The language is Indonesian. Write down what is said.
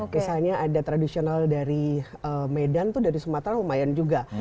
rasanya ada tradisional dari medan dari sumatera lumayan juga